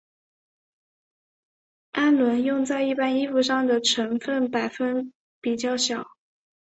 氨纶用在一般衣服上的成分百分比较小。